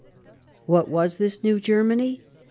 What was this new Germany